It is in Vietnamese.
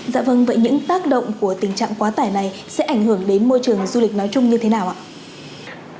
dạ vâng vậy những tác động của tình trạng quá tải này sẽ ảnh hưởng đến môi trường du lịch nói chung như thế nào ạ